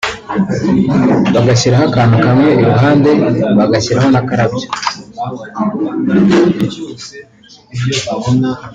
bagashyiraho akantu kamwe iruhande bagashyiraho n’akarabyo